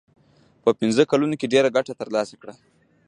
په پنځو کلونو کې ډېره ګټه ترلاسه کړه.